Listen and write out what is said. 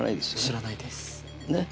知らないですねっ？